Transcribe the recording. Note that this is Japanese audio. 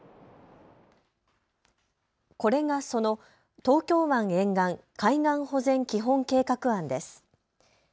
これがその東京湾沿岸海岸保全基本計画案です。